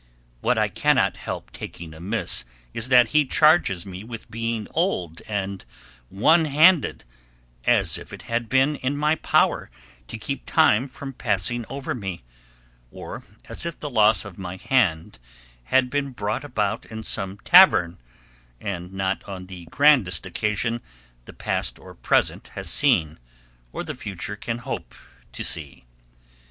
What I cannot help taking amiss is that he charges me with being old and one handed, as if it had been in my power to keep time from passing over me, or as if the loss of my hand had been brought about in some tavern, and not on the grandest occasion the past or present has seen, or the future can hope to see.